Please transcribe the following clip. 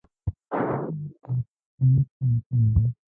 دلته د کلیسا په منځ کې یوه تیږه ده.